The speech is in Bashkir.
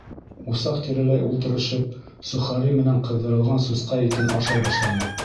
Усаҡ тирәләй ултырышып, сохари менән ҡыҙҙырылған сусҡа итен ашай башланыҡ.